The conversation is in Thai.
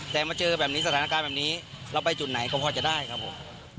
แต่มาเจอแบบนี้สถานการณ์แบบนี้เราไปจุดไหนก็พอจะได้ครับผม